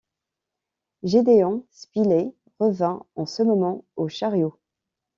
Gédéon Spilett revint en ce moment au chariot.